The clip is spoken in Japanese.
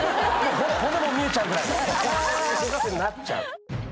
骨も見えちゃうぐらいになっちゃう。